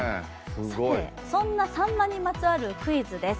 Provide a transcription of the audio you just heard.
そんな、さんまにまつわるクイズです。